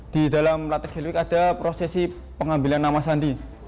di dalam latak helwik ada prosesi pengambilan nama sandi